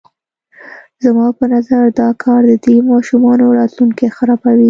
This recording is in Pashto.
زما په نظر دا کار د دې ماشومانو راتلونکی خرابوي.